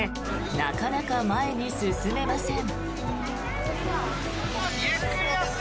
なかなか前に進めません。